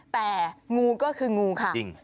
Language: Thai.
แต่งูก็คืองูค่ะ